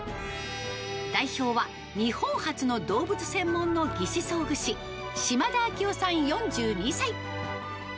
代表は日本初の動物専門の義肢装具士、島田あきおさん４２歳。